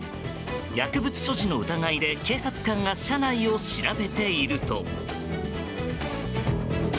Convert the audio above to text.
薬物所持の疑いで警察官が車内を調べていると。